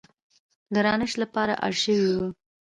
د راشن لپاره اړ شوې وه.